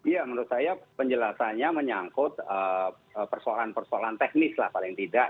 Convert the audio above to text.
ya menurut saya penjelasannya menyangkut persoalan persoalan teknis lah paling tidak